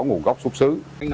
nguồn gốc xuất xứ